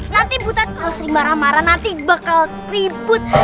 nanti bu teta kalau sering marah marah nanti bakal ribut